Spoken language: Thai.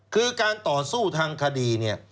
คือการต่อสู้ทางคดีเนี่ย